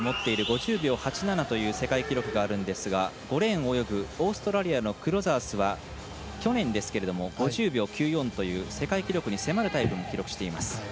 ５０秒８７という世界記録があるんですが５レーンを泳ぐオーストラリアのクロザースは去年、５０秒９４という世界記録に迫るタイムを記録しています。